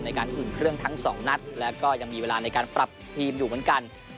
ในการอุ่นเครื่องทั้งสองนัดแล้วก็ยังมีเวลาในการปรับทีมอยู่เหมือนกัน